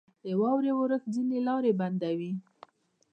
• د واورې اورښت ځینې لارې بندوي.